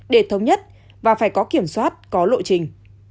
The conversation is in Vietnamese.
để thống nhất và phải có kiểm soát có lộ trình